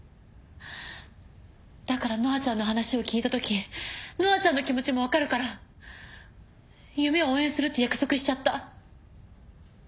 だから乃愛ちゃんの話を聞いたとき乃愛ちゃんの気持ちも分かるから夢を応援するって約束しちゃった。